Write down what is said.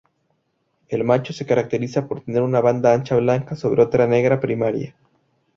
El macho se caracteriza por tener una banda ancha blanca sobre otra negra primaria.